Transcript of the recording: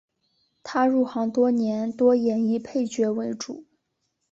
他入行多年多演绎配角为主。